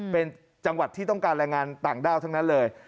เป็นจังหวัดที่ต้องการแรงงานต่างด้าวทั้งนั้นเลย